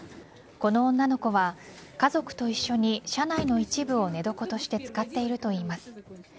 この女の子は家族と一緒に車内の一部を寝床として使っているといいます。